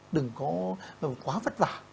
đừng có quá vất vả